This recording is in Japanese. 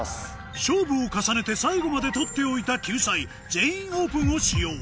勝負を重ねて最後まで取っておいた救済「全員オープン」を使用